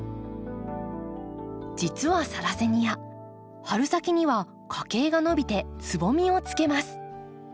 実はサラセニア春先には花茎が伸びてつぼみをつけます。